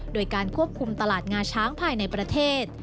โดยการควบคุมตลาดงาช้างภายในประเทศ